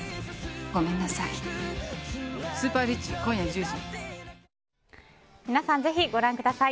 ごめんなさい。